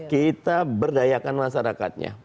kita berdayakan masyarakatnya